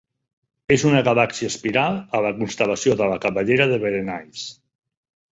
És una galàxia espiral a la constel·lació de la Cabellera de Berenice.